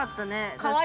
かわいい！